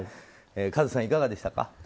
和津さん、いかがでしたか。